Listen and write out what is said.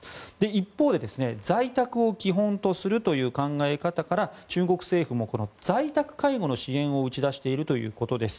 一方で、在宅を基本とするという考え方から中国政府もこの在宅介護の支援を打ち出しているということです。